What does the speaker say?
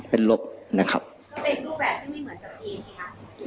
มันเป็นรูปแบบที่ไม่เหมือนกับจีนใช่ไหมครับ